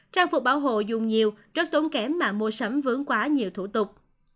trang phục bảo hộ dùng nhiều rất tốn kém mà mua sắm vướng quá nhiều thủ tục